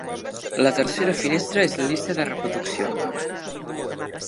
La tercera finestra és la llista de reproducció.